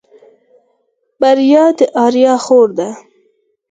بريا د آريا خور ده.